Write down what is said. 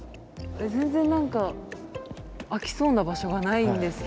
全然何か開きそうな場所がないんですけれど。